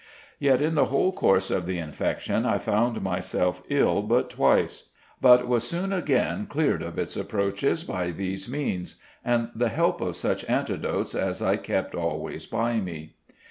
Yet in the whole course of the infection I found myself ill but twice; but was soon again cleared of its approaches by these means, and the help of such antidotes as I kept always by me."